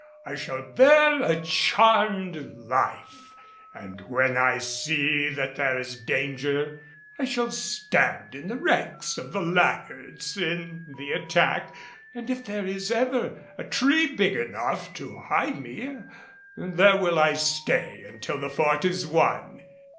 I shall bear a charmed life, and when I see that there is danger I shall stand in the ranks of the laggards in the attack and if there is ever a tree big enough to hide me, there will I stay until the Fort is won."